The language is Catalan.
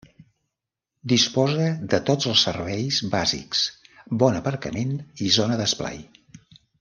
Disposa de tots els serveis bàsics, bon aparcament i zona d'esplai.